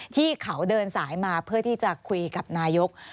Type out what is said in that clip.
ที่เขาเดินสายมาเพื่อที่จะคุยกับนายก